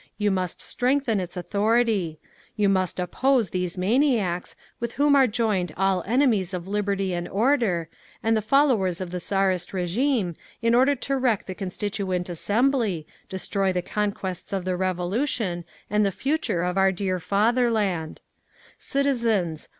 You must strengthen its authority. You must oppose these maniacs, with whom are joined all enemies of liberty and order, and the followers of the Tsarist régime, in order to wreck the Constituent Assembly, destroy the conquests of the Revolution, and the future of our dear fatherland…. "Citizens!